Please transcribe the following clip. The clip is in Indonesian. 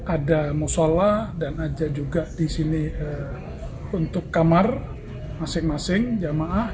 ada musola dan ada juga di sini untuk kamar masing masing jamaah